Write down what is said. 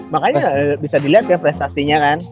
makanya bisa dilihat ya prestasinya kan